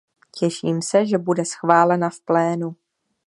Těším se, že bude schválena v plénu.